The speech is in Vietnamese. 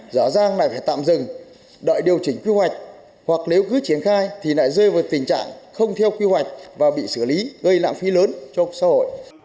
rõ ràng là phải tạm dừng đợi điều chỉnh quy hoạch hoặc nếu cứ triển khai thì lại rơi vào tình trạng không theo quy hoạch và bị xử lý gây lạng phí lớn cho xã hội